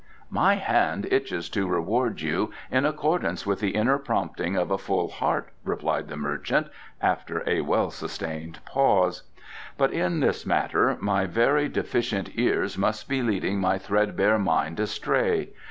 "My hand itches to reward you in accordance with the inner prompting of a full heart," replied the merchant, after a well sustained pause. "But in this matter my very deficient ears must be leading my threadbare mind astray.